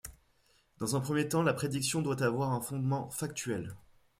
Dans un premier temps, la prédiction doit avoir un fondement factuel.